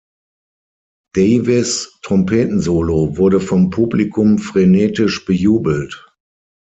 Davis' Trompetensolo wurde vom Publikum frenetisch bejubelt.